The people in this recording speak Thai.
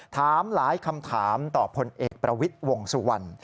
ถามหลายคำถามต่อพลเอกประวิทย์วงสุวรรณ